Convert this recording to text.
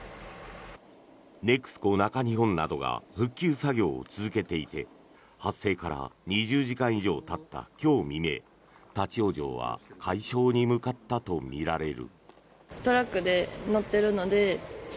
ネクスコ中日本などが復旧作業を続けていて発生から２０時間以上たった今日未明立ち往生は解消に向かったとみられる。